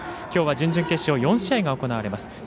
きょうは準々決勝４試合が行われます。